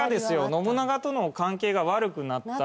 信長との関係が悪くなった。